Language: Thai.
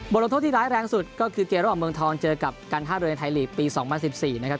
ลงโทษที่ร้ายแรงสุดก็คือเกมระหว่างเมืองทองเจอกับการท่าเรือในไทยลีกปี๒๐๑๔นะครับ